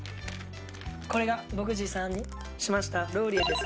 これが僕持参しましたローリエです。